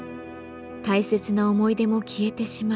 大切な思い出も消えてしまう。